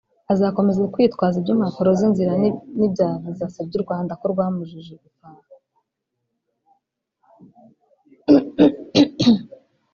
Azakomeza kwitwaza iby’impapuro zinzira n’ibya visa asebye u Rwanda ko rwamujije gutaha